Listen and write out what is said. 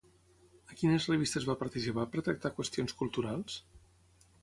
A quines revistes va participar per tractar qüestions culturals?